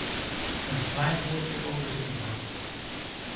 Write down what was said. Een klein woordje over de inhoud.